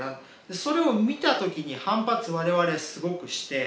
それを見た時に反発我々すごくして。